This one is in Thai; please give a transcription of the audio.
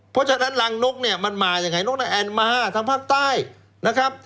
เพราะฉะนั้นรังนกเนี่ยมันมายังไงนกนาแอนมาทางภาคใต้นะครับ